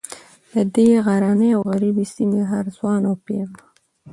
د دې غرنۍ او غریبې سیمې هر ځوان او پیغله